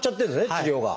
治療が。